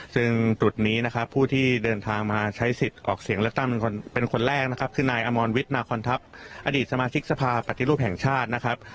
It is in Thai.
ซึ่งจุดนี้นะครับผู้ที่เดินทางมาใช้สิทธิ์ออกเสียงเลือกตั้งเป็นคนแรกนะครับคือนายอมรวิทย์นาคอนทัพอดีตสมาชิกสภาปฏิรูปแห่งชาตินะครับ